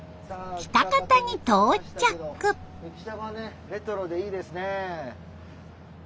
駅舎がねレトロでいいですね。